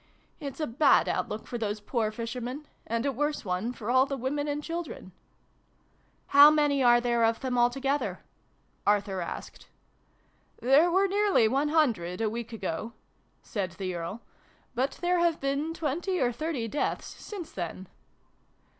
It's a bad outlook for those poor fishermen and a worse one for all the women and children." " How many are there of them altogether ?" Arthur asked. " There were nearly one hundred, a week ago," said the Earl: "but there have been twenty or thirty deaths since then."